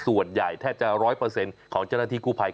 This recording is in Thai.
ส่วนใหญ่แทบจะร้อยเปอร์เซ็นต์ของเจ้าหน้าที่กู้ภัย